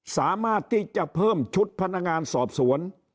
สามารถที่จะเพิ่มชุดพนักงานสอบสวน